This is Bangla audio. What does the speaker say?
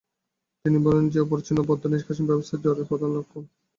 তিনি বলেন যে অপরিচ্ছন্ন-বদ্ধ নিষ্কাশন ব্যবস্থাই জ্বরের প্রধান লক্ষণ।